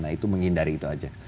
nah itu menghindari itu aja